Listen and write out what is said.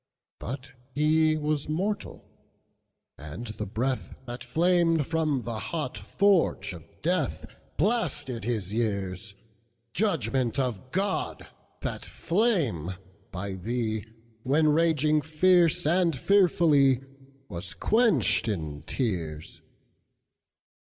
But he was mortal; and the breathThat flamed from the hot forge of DeathBlasted his years; Judgment of God! that flame by thee, When raging fierce and fearfully, Was quenched in tears!